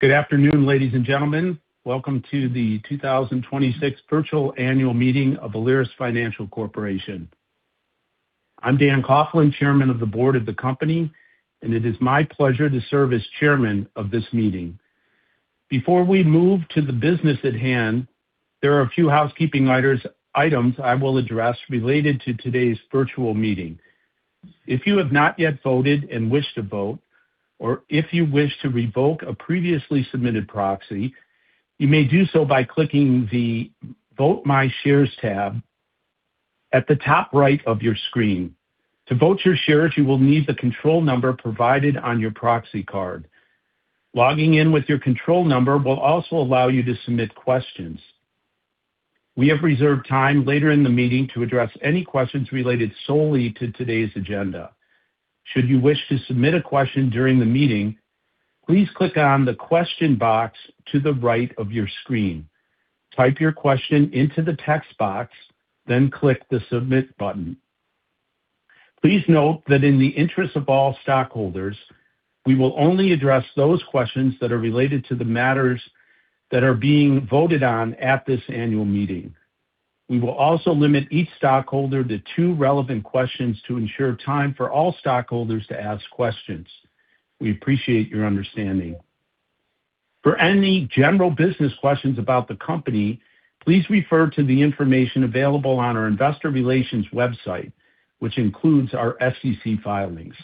Good afternoon, ladies and gentlemen. Welcome to the 2026 virtual annual meeting of Alerus Financial Corporation. I'm Dan Coughlin, Chairman of the Board of the company. It is my pleasure to serve as Chairman of this meeting. Before we move to the business at hand, there are a few housekeeping items I will address related to today's virtual meeting. If you have not yet voted and wish to vote, or if you wish to revoke a previously submitted proxy, you may do so by clicking the Vote My Shares tab at the top right of your screen. To vote your shares, you will need the control number provided on your proxy card. Logging in with your control number will also allow you to submit questions. We have reserved time later in the meeting to address any questions related solely to today's agenda. Should you wish to submit a question during the meeting, please click on the question box to the right of your screen. Type your question into the text box, then click the Submit button. Please note that in the interest of all stockholders, we will only address those questions that are related to the matters that are being voted on at this annual meeting. We will also limit each stockholder to two relevant questions to ensure time for all stockholders to ask questions. We appreciate your understanding. For any general business questions about the company, please refer to the information available on our investor relations website, which includes our SEC filings.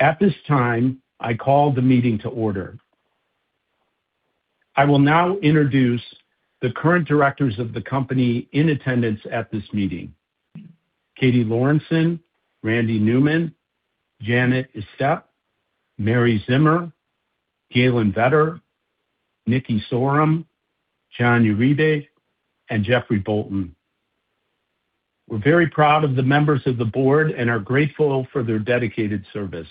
At this time, I call the meeting to order. I will now introduce the current directors of the company in attendance at this meeting. Katie Lorenson, Randy Newman, Janet Estep, Mary Zimmer, Galen Vetter, Nikki Sorum, John Uribe, and Jeffrey Bolton. We're very proud of the members of the board and are grateful for their dedicated service.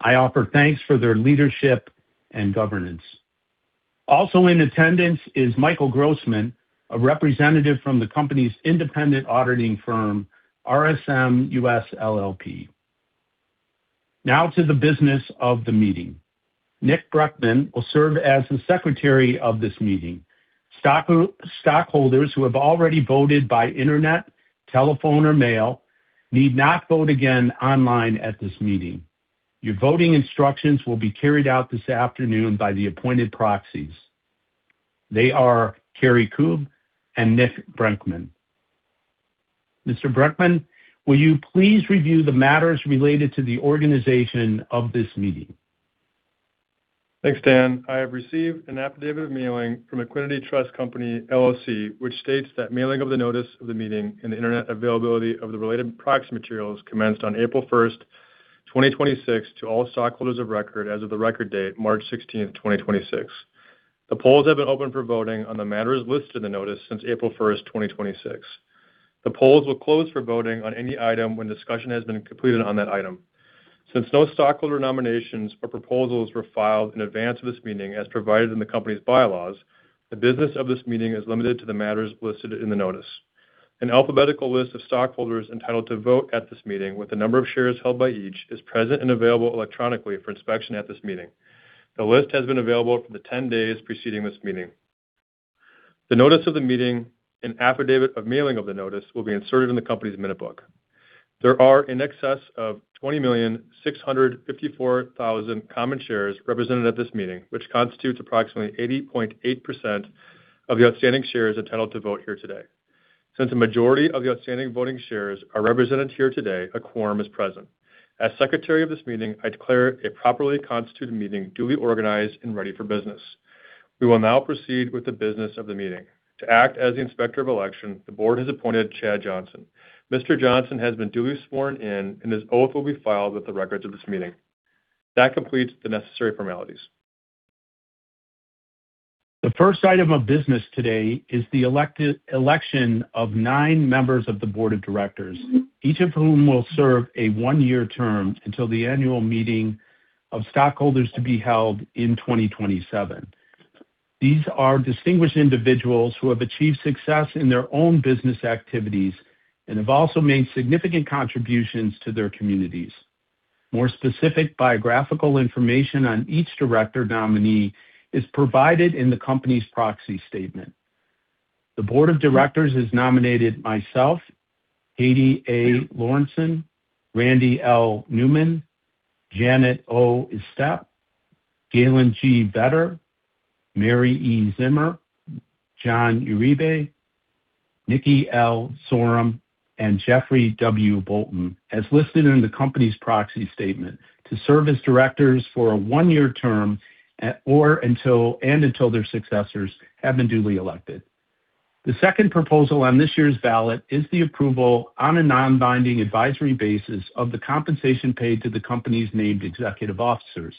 I offer thanks for their leadership and governance. Also in attendance is Michael Grossman, a representative from the company's independent auditing firm, RSM US LLP. Now to the business of the meeting. Nicholas Brenckman will serve as the secretary of this meeting. Stockholders who have already voted by internet, telephone or mail need not vote again online at this meeting. Your voting instructions will be carried out this afternoon by the appointed proxies. They are Kari Koob and Nicholas Brenckman. Mr. Brenckman, will you please review the matters related to the organization of this meeting? Thanks, Dan. I have received an affidavit of mailing from Equiniti Trust Company, LLC, which states that mailing of the notice of the meeting and the internet availability of the related proxy materials commenced on April first, 2026 to all stockholders of record as of the record date March 16th, 2026. The polls have been open for voting on the matters listed in the notice since April first, 2026. The polls will close for voting on any item when discussion has been completed on that item. Since no stockholder nominations or proposals were filed in advance of this meeting, as provided in the company's bylaws, the business of this meeting is limited to the matters listed in the notice. An alphabetical list of stockholders entitled to vote at this meeting with the number of shares held by each is present and available electronically for inspection at this meeting. The list has been available for the 10 days preceding this meeting. The notice of the meeting, an affidavit of mailing of the notice, will be inserted in the company's minute book. There are in excess of 20,654,000 common shares represented at this meeting, which constitutes approximately 80.8% of the outstanding shares entitled to vote here today. Since a majority of the outstanding voting shares are represented here today, a quorum is present. As secretary of this meeting, I declare a properly constituted meeting duly organized and ready for business. We will now proceed with the business of the meeting. To act as the inspector of election, the board has appointed Chad Johnson. Mr. Johnson has been duly sworn in, and his oath will be filed with the records of this meeting. That completes the necessary formalities. The first item of business today is the election of nine members of the board of directors, each of whom will serve a one-year term until the annual meeting of stockholders to be held in 2027. These are distinguished individuals who have achieved success in their own business activities and have also made significant contributions to their communities. More specific biographical information on each director nominee is provided in the company's proxy statement. The board of directors has nominated myself, Katie A. Lorenson, Randy L. Newman, Janet O. Estep, Galen G. Vetter, Mary E. Zimmer, John Uribe, Nikki L. Sorum, and Jeffrey W. Bolton, as listed in the company's proxy statement to serve as directors for a one-year term at, or until, and until their successors have been duly elected. The second proposal on this year's ballot is the approval on a non-binding advisory basis of the compensation paid to the company's named executive officers.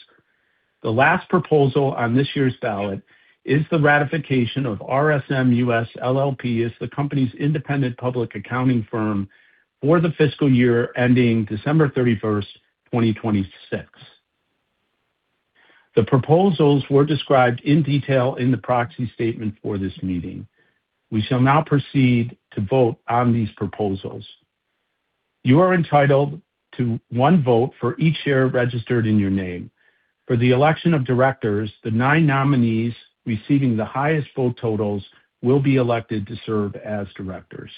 The last proposal on this year's ballot is the ratification of RSM US LLP as the company's independent public accounting firm for the fiscal year ending December 31st, 2026. The proposals were described in detail in the proxy statement for this meeting. We shall now proceed to vote on these proposals. You are entitled to 1 vote for each share registered in your name. For the election of directors, the 9 nominees receiving the highest vote totals will be elected to serve as directors.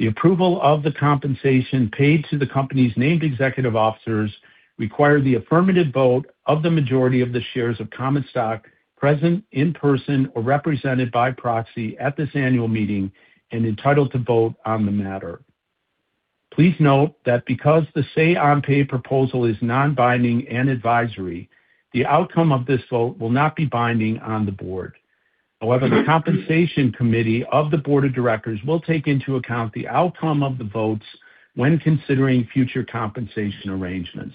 The approval of the compensation paid to the company's named executive officers require the affirmative vote of the majority of the shares of common stock present in person or represented by proxy at this annual meeting and entitled to vote on the matter. Please note that because the say on pay proposal is non-binding and advisory, the outcome of this vote will not be binding on the board. However, the compensation committee of the board of directors will take into account the outcome of the votes when considering future compensation arrangements.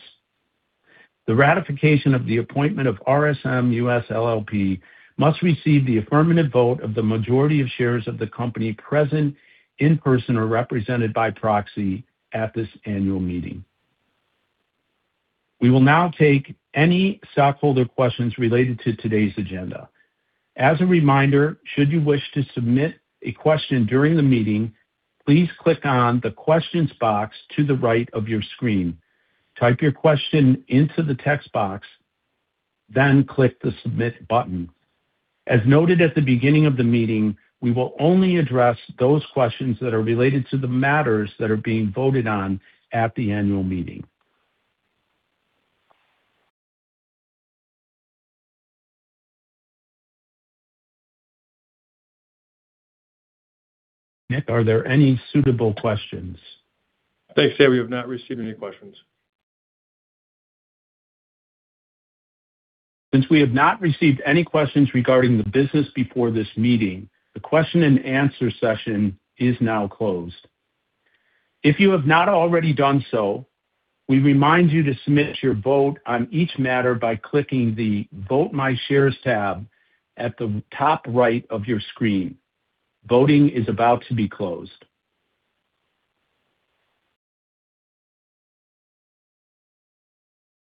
The ratification of the appointment of RSM US LLP must receive the affirmative vote of the majority of shares of the company present in person or represented by proxy at this annual meeting. We will now take any stockholder questions related to today's agenda. As a reminder, should you wish to submit a question during the meeting, please click on the questions box to the right of your screen, type your question into the text box, then click the Submit button. As noted at the beginning of the meeting, we will only address those questions that are related to the matters that are being voted on at the annual meeting. Nick, are there any suitable questions? Thanks, Dan. We have not received any questions. Since we have not received any questions regarding the business before this meeting, the question and answer session is now closed. If you have not already done so, we remind you to submit your vote on each matter by clicking the Vote My Shares tab at the top right of your screen. Voting is about to be closed.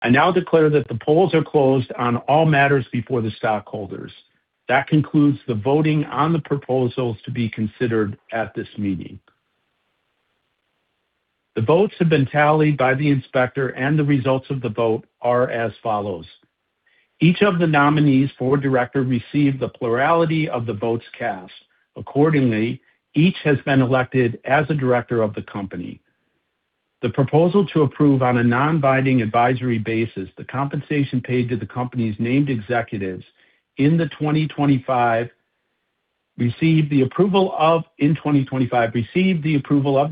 I now declare that the polls are closed on all matters before the stockholders. That concludes the voting on the proposals to be considered at this meeting. The votes have been tallied by the inspector, and the results of the vote are as follows: Each of the nominees for director received the plurality of the votes cast. Accordingly, each has been elected as a director of the company. The proposal to approve on a non-binding advisory basis the compensation paid to the company's named executives in 2025 received the approval of the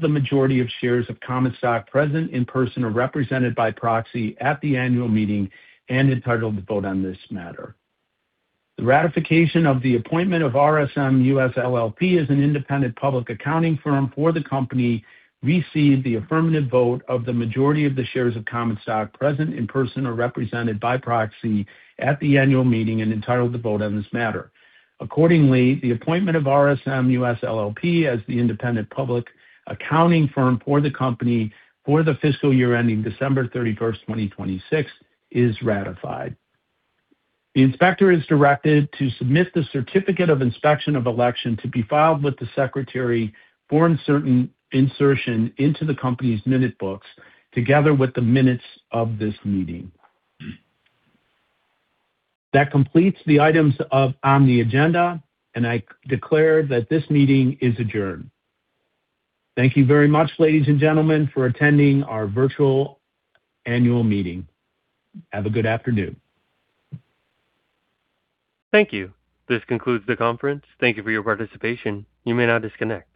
majority of shares of common stock present in person or represented by proxy at the annual meeting and entitled to vote on this matter. The ratification of the appointment of RSM US LLP as an independent public accounting firm for the company received the affirmative vote of the majority of the shares of common stock present in person or represented by proxy at the annual meeting and entitled to vote on this matter. Accordingly, the appointment of RSM US LLP as the independent public accounting firm for the company for the fiscal year ending December 31st, 2026, is ratified. The inspector is directed to submit the certificate of inspection of election to be filed with the secretary for insertion into the company's minute books, together with the minutes of this meeting. That completes the items on the agenda. I declare that this meeting is adjourned. Thank you very much, ladies and gentlemen, for attending our virtual annual meeting. Have a good afternoon. Thank you. This concludes the conference. Thank you for your participation. You may now disconnect.